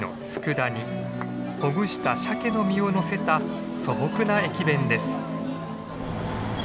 ほぐしたシャケの身をのせた素朴な駅弁です。